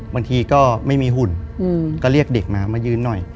บางทีก็ไม่มีหุ่นก็เรียกเด็กมามายืนหน่อย